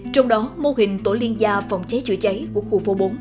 trong đó mô hình tổ liên gia phòng cháy chữa cháy của khu phố bốn